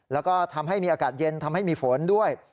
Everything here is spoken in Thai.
แล้วก็ทำให้มีอากาศเย็นทำให้มีฝนด้วย